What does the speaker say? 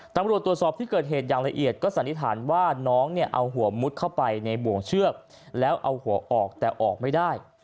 ตำรวจตรวจสอบที่เกิดเหตุอย่างละเอียดก็สันนิษฐานว่าน้องเนี่ยเอาหัวมุดเข้าไปในบ่วงเชือกแล้วเอาหัวออกแต่ออกไม่ได้